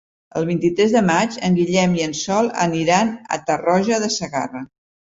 El vint-i-tres de maig en Guillem i en Sol aniran a Tarroja de Segarra.